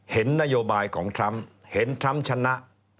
เห็นนโยบายของทรัมป์เห็นทรัมป์ชนะ